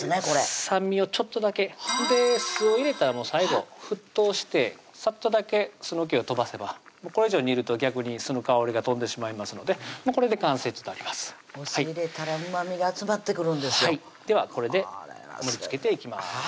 これ酸味をちょっとだけ酢を入れたら最後沸騰してさっとだけ酢の気を飛ばせばこれ以上煮ると逆に酢の香りが飛んでしまいますのでこれで完成となりますお酢入れたらうまみが集まってくるんですよではこれで盛りつけていきます